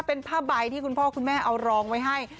เป็นผ้าใบที่คุณพ่อคุณแม่เอารองไว้ให้